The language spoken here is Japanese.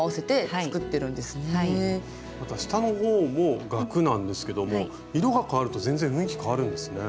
また下の方も額なんですけども色がかわると全然雰囲気変わるんですね。